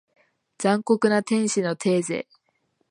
残酷な天使のテーゼ